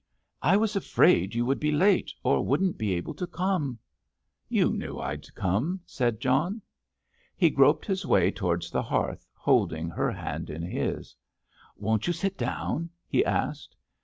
"I was afraid you would be late, or wouldn't be able to come." "You knew I'd come," said John. He groped his way towards the hearth, holding her hand in his. "Won't you sit down?" he asked.